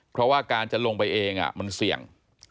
เพราะว่าการจะลงไปเองมันเสี่ยง